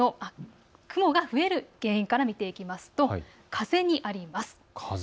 雲が増える原因から見ていきますと風にあります。